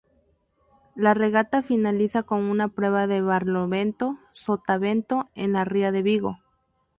La regata finaliza con una prueba de barlovento-sotavento en la ría de Vigo.